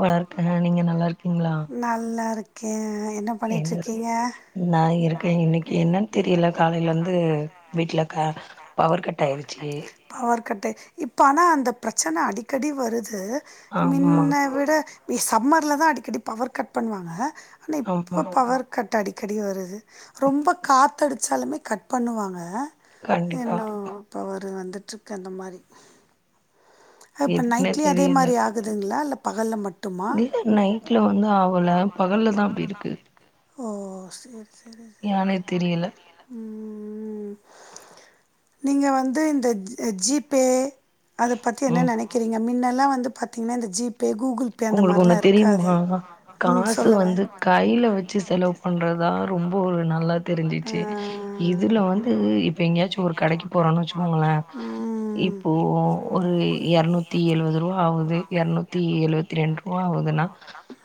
வரா இருக்குங்க நீங்க நல்லா இருக்கீங்களா கே என்னது நா இருக்கே இன்னைக்கு என்னன் தெரியில காலையில இருந்து வீட்டுல க பவர் கட் ஆயிருச்சி பவர் கட்டு இப்ப ஆனா அந்த பிரச்சன அடிக்கடி வருது ஆமா மின்ன விட் சம்மர்ல தா அடிக்கடி பவர் கட் பண்ணுவாங்க ஆனா ஆமா இப்ப பவர் கட் அடி கடி வருது ரொம்ப காத்தடிச்சாலுமே கட் பண்ணுவாங்க கண்டிப்பா என்னோம்ப்பா வரு வந்துட் றுக்கு அந்த மாரி இப்ப எதுக்குன்னே நைட்லயே அதே தெரியல மாரி ஆகுதுங்களா இல்ல பகல்ல மட் இல்ல நைட்ல வந்து ஆவல பகல்லதா அப்படி இருக்கு ஓ செரி செரி செரி ஏனே தெரியல உம் உம் நீங்க வந்து இந்த ஜி பே பத்தி என்ன ம் நினைக்கிறீங்க மின்ன ல்லா வந்து பாத்தீங்கன்னா இந்த ஜி உங்களுக்கு ஒண்ணு தெரியுமா ம் காசு சொல்லுங்க வந்து கையில வெச்சு செலவு பண்றதுதா ரொம்ப ஒரு நல்லது ஆ தெரிஞ்சிச்சு இதுல வந்து இப்ப எங்கேயாச்சு ஒரு கடைக்கு போறோன்னு வெச்சுக்கோங்களே ம் இப்போ ஒரு எரநூத்தி எழுவது ரூபா ஆகுது எரநூத்தி எழுவத் தி ரெண்டு ரூபா ஆகுதுனா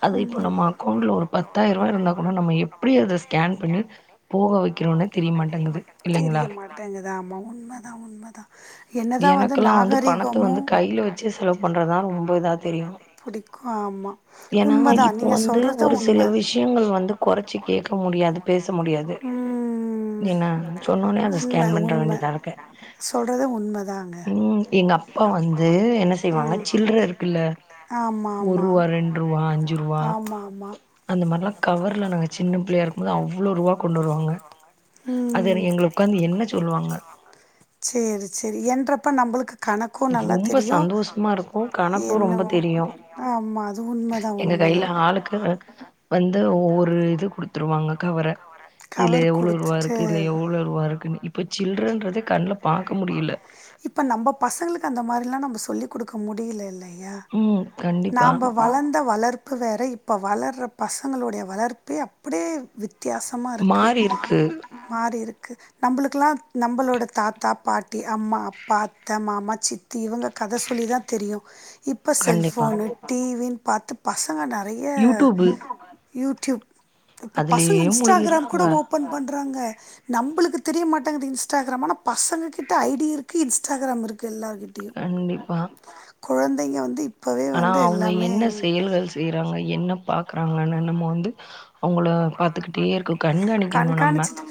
அது இப்ப ம் நம்ம அக்கௌண்டல ஒரு பத்தாயிர்வா இருந்தா கூட நம்ம எப்படி அத ஸ்கேன் பண்ணி போ போக வெக்கிறோனே தெரிய மாட்டேங்குது இல்லைங்ளா து ஆமா உண்மதா உண்மதா என்னதா எனக்கெல்லா வந்து பணத்த நாகரிகமு வந்து கையில வெச்சு செலவு பண்றதுதா ரொம்ப இதா தெரியு புடிக்கு ஆமா ஏனா உண்மதா இப்போ நீங்க வந்து சொல்றது ஒரு சில உண்ம விஷயங்கள் வந்து குறைச்சு கேக்க முடியாது பேச முடியாது முடியாது என்ன சொன்ன ஒன்னே அத உண்ம ஸ்கேன் பண்ற உண்ம வேண்டியதா இருக்கு சொல்றது உண்மதாங்க உம் எங்க அப்பா வந்து என்ன செய்வாங்க ம் சில்ர இருக்குல்ல ஆமா ஒர் ஆமா ருவா ரெண்டு ருவா அஞ்சு ருவா ஆமா ஆமா அந்த மார்லா கவர்ல நாங்க சின்ன பிள்ளையா இருக்குபோது அவ்ளோ ருவா கொண்டு வருவாங்க அத ம் எங்கல உட்காந்து என்ன சொல்லுவாங்க சேரி சேரி என்றப்ப நம்பளுக்கு கணக்கு நல்லா ரொம்ப தெரியு சந்தோஷமா இருக்கு கணக்கு ரொம்ப என்னவோ தெரியு ஆமா அது உண்மதா எங்க உண்மதா கையில ஆளுக்கு வந்து ஒரு இது குடுத்துருவாங்க கவர இதுல கவர் எவ்ளோ ருவா குடுத்துட்டு இருக்கு இதுல எவ்ளோ ருவா இருக்குனு இப் இப்ப சில்றன்றது கண்லப் இப்ப நம்ம பசங்களுக் அந்த மாரில்லா நம்ம சொல்லி் குடுக்க முடியல இல்லை யா ம் கண்டிப்பா நாம வளர்ந்த வளர்ப் இப்ப வேற இப்ப வளர்ற பசங்களோட வளர்ப்பே அப்டியே வித் தியாசமா இருக்கு மாறி இருக்கு மாறி இருக் க்கு நம்மளுக்கெல்லா நம்மளோட தாத்தா பாட்டி அம்மா அப்பா அத்த மாமா சித் தி இவங்க கத சொல்லிதா தெரியு இப்போ கண்டிப்பா செல்போனு டிவின் பத்து பச ங்க நெறய யூடியூபு யூ ட்யுப் இப்ப பசங்க அதுலயே இன்ஸ்டாகிராம் கூட முழுகிடுறாங்க ஓபன் பண் றாங்க நம்புளுக்கு தெரிய மாட்டங்குது இன்ஸ்டாகிராமு ஆனா பசங்க கிட்ட ஐ டி இருக்கு இன்ஸ்டாகிராம் இருக்கு கண்டிப்பா கொழந்தைங்க வந்து இப் ஆனா அவங்க என்ன செயல்கள் செய்யறாங்க என்ன பாக்கறாங்கன் நம்ம வந்து அவங்கள பாத்துக்கிட்டே இருக் கண்காணிக்கணு நம்ம கண்காணிச்சுட்டு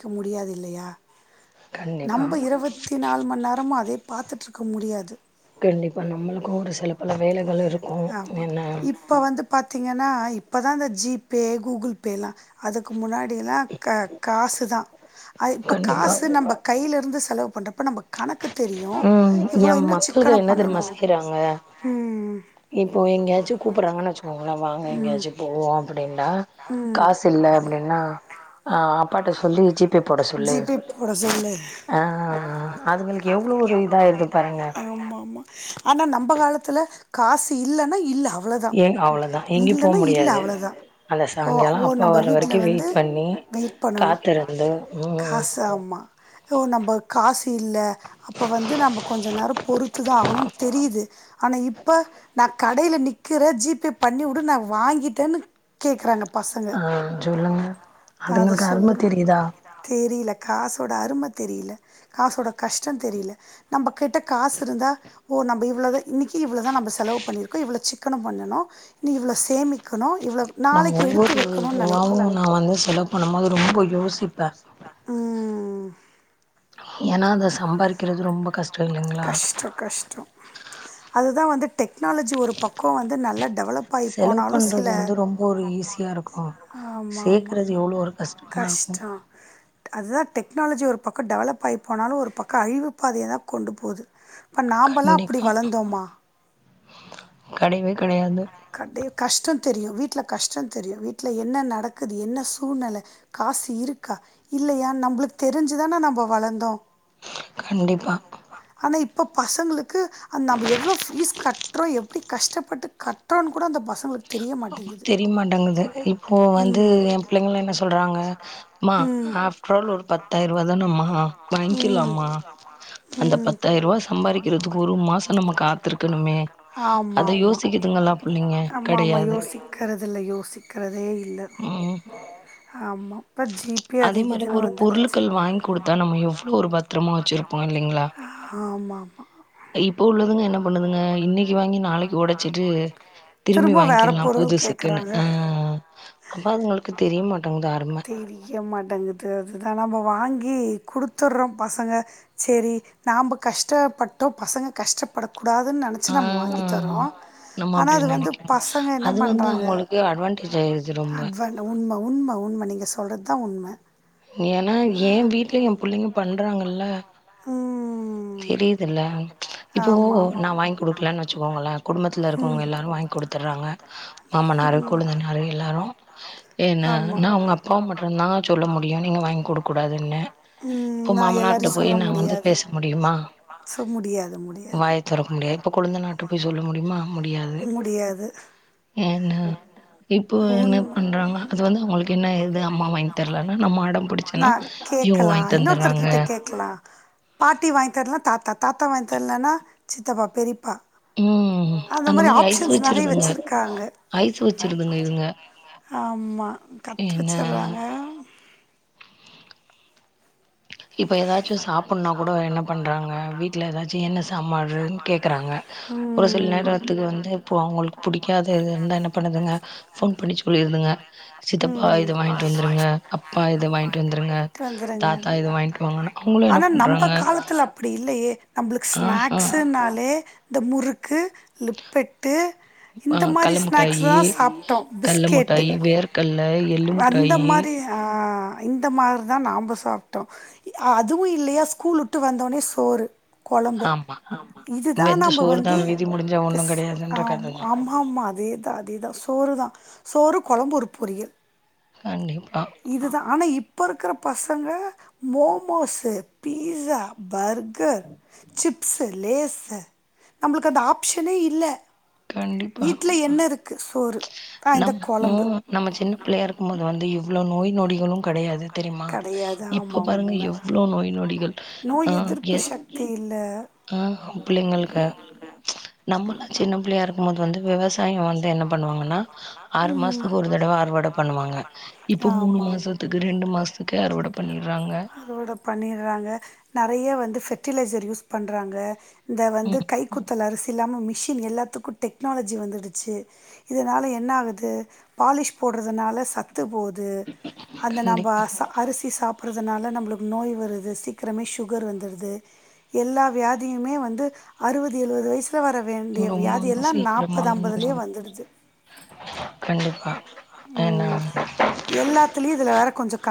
க்க முடியாது இல்லையா கண்டிப்பா நம்ப இருவத்தி நாலு மண் நேரமு அதே பாத்துட்ருக்க முடியாது கண்டிப்பா நம்மளுக்கு ஒரு சில பல வேலைகள் இருக்கு ஆமா என்ன அதா அந்த ஜி பே கூகுள் பே லா அதுக்கு முன்னாடியெல்லா கா காசுதா அ இப்ப கண்டிப்பா காசு நம்ம கைல இருந்து செலவு பண்றப்ப நமக்கு ம் எ மக்கள்கள் சிக்கன என்ன தெரிமா பண்ணணு செய்யறாங்க ம் இப்போ எங்கயாச்சு கூப்பறாங்கனு வெச்சுக்கோங்களே வாங்க எங்கயாச்சி போவோ அப்டின்னா ம் காசு இல்ல அப்டின்னா அ அப்பாட்ட சொல்லி ஜி பே போட சொல்லு ஜி பே போட ஆ அதுங்களுக்கு எவ்ளோ ஒரு இதாயிருது பாருங்க ஆமாமா ஆனா நம்ப காலத்துல காசு இல்லனா இல்ல அவ் இல் அவ்ளோதா எங்கயு போக முடியா ல அவ்ளதா ஓ ஓ நம்ப வர்ற வீட்ல வரைக்கு வந்து வெயிட் பண்ணி வெயிட் பண்ணனு காத்திருந்து ம் காசு ஆமா ஓ நம்ப காசு இல்ல அப்ப வந்து நம்ம கொஞ்ச நேர பொறுத்துதா ஆகணுன் தெரியுது ஆனா இப்ப நா கடையில நிக்கற ஜி பே பண்ணி உடு நா வாங்கி ட்டனு கேக்குறாங்க பசங்க ஆ சொல்லுங்க அத அதுங்களுக்கு அரும சொல்லுங்க தெரியுதா தெரில காசோட அரும தெரில காசோட கஷ்ட தெரில நம்பகிட்ட காசு இருந்தா ஓ நம்ப இவ்ளதா இன்னிக்கி இவ்ளதா செலவு பண்ணிருக்கோ இவ்ளோ சிக்கன பண்ணனு இன்னு இவ்ள சேமி க்கனு நா ஒவ்வொரு ருவாவு நா வந்து செலவு பண்ணும் போது ரொம்ப யோசிப்ப உம், ஏனா அத சம்பாரிக்கிறது ரொம்ப கஷ்ட இல்லைங்ளா கஷ்டம் கஷ்டம் அதுதான் வந்து டெக்னாலஜி ஒரு பக்க வந்து நல்லா டெவலப் ஆகி செலவு போனாலும் பண்றது சில வந்து ரொம்ப ஒரு ஈஸியா இருக்கு ஆமாம் ஆமாம் சேக்கறது எவ்ள ஒரு கஷ்டமா இருக்கு கஷ்டம் அதுதான் டெக்னாலஜி ஒரு பக்க டெவலப் ஆயி போனாலு ஒரு பக்க அழிவு பாதையதா கொண்டு போது இப்ப நாம்பெலா அப்படி கண்டிப்பா வளந்தோமா கெடையவே கெடையாது [unintelligible] கஷ்டம் தெரியும் வீட்ல கஷ்டம் தெரியும் வீட்ல என்ன நடக்குது என்ன சூழ்நில காசு இருக்கா இல்லையா நம்பளுக்கு தெரிஞ்சுதானா நம்ம வளர்ந்தோம் கண்டிப்பா ஆனா இப்போ பசங்களுக்கு அது நம்ம எவ்ளோ ஃபீஸ் கட்றோம் எப்டி கஷ்டப் பட்டு கட்டுறோம் கூட அந்த பசங்களுக் தெரியமாட்டேங்குது இப்போ வந்து ம் என் பிள்ளைங்கலாம் என்ன சொல்றாங்க மா ம் ஆஃப்ட்ரால் ஒரு பத்தாயிரவா தானேமா ம் வாங்கிக்லாமா அந்த ம் பத்தாயிரூவா சம்பாரிக்கிறதுக்கு ஒரு மாசம் நம்ம காத்திருக்கணுமே ஆமா அத யோசி ஏதுங்களா புள்ளைங்க கெடையாது விக்கிறதுல யோசிக்கிறதே இல்ல ம் ஆமா இப்ப ஜிபே அது அதே மாரி இதுன்னு ஒரு வந்துருச்சு பொருட்கள் பொருட்கள் குடுத்தா வாங்கி கொடுத்தா எவ்ளோ நம்ம எவ்வளோ ஒரு பத்திரமா வச்சிருப்போம் ஆமா [unintelligible] இப்ப உள்ளதுங்க என்ன பண்ணுதுங்க இன்னைக்கு வாங்கி நாளைக்கு ஒடச்சிடு இது திரும்பி திரும்ப வேற வாங்கிற்லாம் பொருள் புதுசுக்குன்னு கேக்குறாங்க ஆ அப்ப அதுங்களுக்கு தெரிய மாட்டேங்குது அரும தெரிய மாட்டேங்குது அதுதான் நம்ம வாங்கி குடுத்துடுறோம் பசங்க. சரி நாம கஷ்டப்பட்டோம் பசங்க கஷ்டப்பட கூடாதுன்னு ஆ நெனச்சு நம்ம வாங்கி தரறோம். நம்ம அப்படி நினைக்கிறோம். அது வந்து பண்றாங்க அவங்களுக்கு அட்வான்டேஜ் ஆயிடுது ரொம்ப. அட்வான் உண்மை உண்மை உண்மை நீங்க சொல்ற தான் உண்மை. ஏன்னா ஏ வீட்லயும் என் பிள்ளைையும் பண்றாங்கல்ல, ம் தெரியுதல. இப்போ ஆமா ஆமா நான் வாங்கி குடுக்கலன்னு வச்சுக்கோங்களேன், குடும்பத் குடும்பதுல இருக்கவங்க எல்லாரு வாங்கி குடுத்தரங்க மாமனாரு, ம் கொழுந்தனாரு எல்லாரு. ஏன் நா-நா அவுங்க அப்பாவு ஆமா மட்டும்தா சொல்ல முடி யும் நீங்க வாங்கி குடுக்கூடாதுன்னு. ம் இப்ப நா மாமனாருட்ட எல்லாரையு போய் சொல்ல நான் வந்து முடியாது பேச முடியுமா சோ முடியாது முடியாது வாய துறக்க முடியாது. இப்ப கொழுந்தனாருட்ட போய் சொல்ல முடியுமா? முடியாது. முடியாது என்ன இப்போ என்ன உண்ம பண்றாங்கனா, அது வந்து அவங்களுக்கு என்ன இது அம்மா வாங்கி தரல. நான் கேக்கலாம் இன்னொருத்தர் தந்துடுறாங்க. கிட்ட கேக்கலாம். பாட்டி வாங்கி தரலனா தாத்தா தாத்தா வாங்கி தரலனா, சித்தப்பா, பெரியப்பா, ம் அந்த மாதிரி மாரி ஐஸ் ஆப்ஷன்ஸ் நிறைய வச்சிருதுங்க. வச்சிருக்காங்க. ஐஸ் ஐசு இதுங்க. வச்சிருதுங்க என்ன இதுங்க இப்போ ஏதாச்சும் சாப்படுனா கூட என்ன பண்றாங்க, வீட்டுல ஏதாச்சும் என்ன சாம்பாடு னு கேட்குறாஙக ஒரு சில கேக்குறாங்க நேரத்துக்கு வந்து அவங்களுக்கு புடிக்காத எது இருந்தா என்ன பண்ணுதுங்க போன் பண்ணி சொல்லிருதுங்க சித்தப்பா இது வாங்கிட்டு வந்துருங்க அப்பா இது வாங்கிட்டு வந்துருங்க தாத் வந்தாங்க வாங்கிட்டு வாங்கனா. ஆனா நம்ப காலத்துல அப்டி இல்லையே. நம்மளுக்கு ஆஹா ஸ்நாக்ஸுனாலே இந்த முறுக்கு லிப்பிட்டு அ இந்த மாரி கல்ல ஸ்நாக்ஸ் முட்டாயி தா சாப்பிட்டோ. கல்ல பிஸ்கெட்டு முட்டாயி, வேர்க்கல்ல, எள்ளு அந்த முட்டாயி மாரி ஆஆ இந்த மாதிரி தா நாம்ப சாப்ட்டோ. அதுவும் இல்லையா ஸ்கூல் விட்டு வந்தோனே சோறு கொழம்பு. ஆமா. இதுதா வெந்த நம்ம சோறு வந்து தான் விதி முடிஞ்சா ஒண்ணும் ஆ கெடையாதுன்ற கத தான். ஆம்மா ஆம்மா அதேதா அதேதா சோறுதா சோறு கொழம்பு இரு புரியுது. கண்டிப்பா. இதுதா ஆனா இப் இப்ப இருக்கற பசங்க மோமோஸ்சு, பீஸா, பர் கர், சிப்சு லேஷூ. நம்மளுக்கு அந்த ஆப்ஷனே இல்ல. கண்டிப்பா வீட்டு்ல என்ன இருக்கு சோறு அ இந்த நம்ம குழம்பு நம்ம சின்ன பிள்ளையா இருக்கப்ப இவளோ நோய் நொடிகளும் கெடையாது தெரியுமா? கெடையாது ஆமா இப்ப பாருங்க உண்ம எவ்ளோ நோய் நொடிகள். நோய் ஆஹ்ஹ் எதிர்ப்பு எ சக்தி இல்ல ஆஹ் புள்ளைங்களுகு நம்மலாச்சு சின்ன புள்ளயா இருக்கும்போது வந்து விவசாயம் வந்து என்ன பண்ணுவாங்கன்னா ஆறு மாசத்துக்கு ஒரு தடவ அறுவட பண்ணுவாங்க இப்ப மூணு ஆமா ஆமா மாசத்துக்கு ரெண்டு மாசத்துக்கே அறுவடை பண்ணிற்றாங்க அறுவடை பண்ணிடுறாங்க நெறைய வந்து ஃபெர்டிலைசர் யூஸ் பண்றாங்க இந்த வந்து ம் கைக்குத்தல் அரிசி இல்லாம மிஷின் எல்லாத்துக்கு டெக்னாலஜி வந்துடுச்சு இதனால என்ன ஆகுது பாலிஷ் போடுறதுனால சத் த்து போது அந்த நம்ப கண்டிப்பா சா அரிசி சாப் ப்புட்றதனால நம்ளுக்கு நோய் வருது சீக்கிரமே சுகர் வந்துடுது எல்லா வியாதியுமே வந்து அறுபது எழுபது வயசு ல வர வேண்டிய ரொம்ப வியாதி வந்து எல்லா சீக்கிரமா நாப்பது ஐம்பதுலயே வந்துருது வந்துடுது கண்டிப்பா ம் ஏன்னா எல்லாத்துலயு இதுல வேற கொஞ்சம் கல